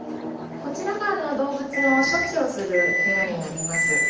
こちらが動物の処置をする部屋になります。